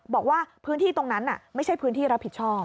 บอกว่าพื้นที่ตรงนั้นไม่ใช่พื้นที่รับผิดชอบ